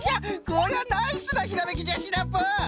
こりゃナイスなひらめきじゃシナプー！